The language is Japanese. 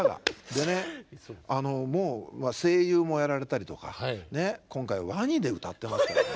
でねもう声優もやられたりとか今回はワニで歌ってます。